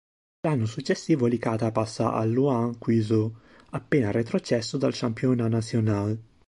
L'anno successivo Licata passa al Louhans-Cuiseaux, appena retrocesso dal Championnat National.